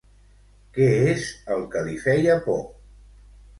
Què és el que li feia por?